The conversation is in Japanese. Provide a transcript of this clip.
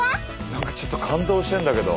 何かちょっと感動してんだけど。